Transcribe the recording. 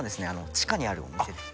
地下にあるお店です